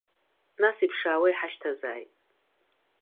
Нас иԥшаауа иҳашьҭазааит.